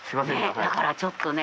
だからちょっとね。